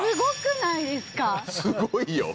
すごいよ。